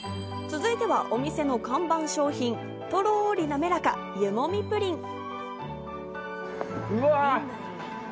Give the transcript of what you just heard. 続いてはお店の看板商品、とろりなめらか湯もみプリン。